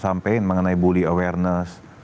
sampaikan mengenai bully awareness